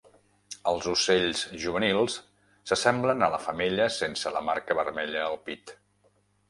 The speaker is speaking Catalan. Els ocells juvenils s'assemblen a la femella sense la marca vermella al pit.